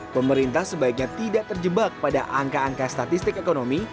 pemerintah sebaiknya tidak terjebak pada angka angka statistik ekonomi